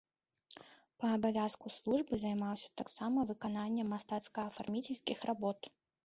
Па абавязку службы займаўся таксама выкананнем мастацка-афарміцельскіх работ.